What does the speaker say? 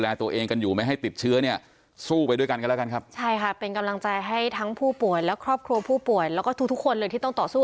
แล้วก็เชื่อว่าเขารักครอบครัวนครม